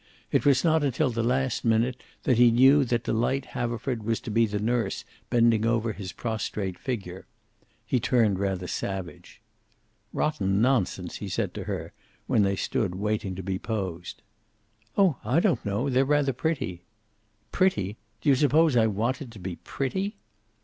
It was not until the last minute that he knew that Delight Haverford was to be the nurse bending over his prostrate figure. He turned rather savage. "Rotten nonsense," he said to her, "when they stood waiting to be posed. "Oh, I don't know. They're rather pretty." "Pretty! Do you suppose I want it be pretty?"